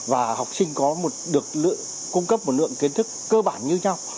và học sinh có được cung cấp một lượng kiến thức cơ bản như nhau